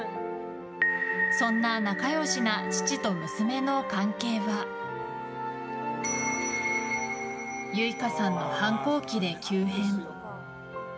そんな仲良しな父と娘の関係は結奏さんの反抗期で急変。